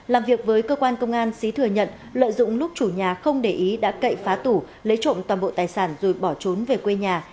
làm việc với cơ quan công an xí thừa nhận lợi dụng lúc chủ nhà không để ý đã cậy phá tủ lấy trộm toàn bộ tài sản rồi bỏ trốn về quê nhà